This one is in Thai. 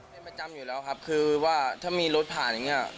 เป็นประจำอยู่แล้วครับคือว่าถ้ามีรถผ่านอย่างเงี้ย